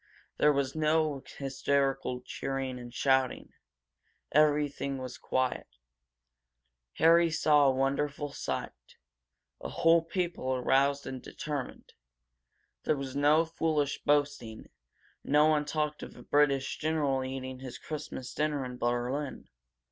There was no hysterical cheering and shouting; everything was quiet. Harry Fleming saw a wonderful sight a whole people aroused and determined. There was no foolish boasting; no one talked of a British general eating his Christmas dinner in Berlin.